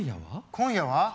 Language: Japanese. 今夜は？